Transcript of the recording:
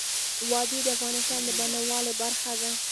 وادي د افغانستان د بڼوالۍ برخه ده.